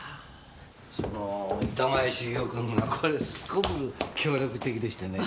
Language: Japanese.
その板前修業君がすごく協力的でしてね。